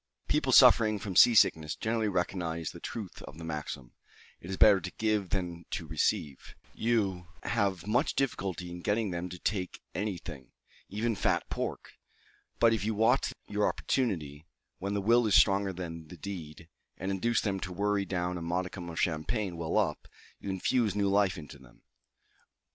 People suffering from sea sickness generally recognize the truth of the maxim, "It is better to give than to receive:" you have much difficulty in getting them to take any thing, even fat pork; but if you watch your opportunity, when the will is stronger than the deed, and induce them to worry down a modicum of champagne well up, you infuse new life into them.